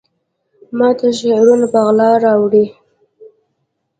ماته شعرونه په غلا راوړي